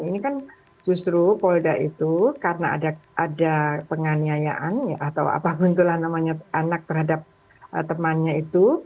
ini kan justru polda itu karena ada penganiayaan atau apa muncullah namanya anak terhadap temannya itu